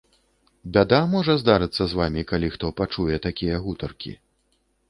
Бяда можа здарыцца з вамі, калі хто пачуе такія гутаркі.